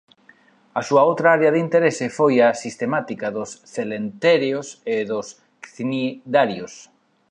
A súa outra área de interese foi a sistemática dos celentéreos e dos cnidarios.